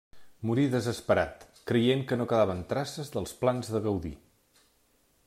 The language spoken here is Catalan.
Morí desesperat, creient que no quedaven traces dels plans de Gaudí.